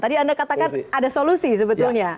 tadi anda katakan ada solusi sebetulnya